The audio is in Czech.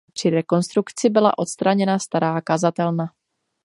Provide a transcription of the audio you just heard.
Při rekonstrukci byla odstraněna stará kazatelna.